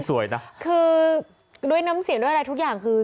สวยนะคือด้วยน้ำเสียงด้วยอะไรทุกอย่างคือ